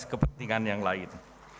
kepentingan yang lain